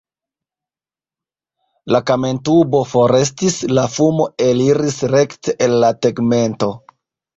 La kamentubo forestis, la fumo eliris rekte el la tegmento.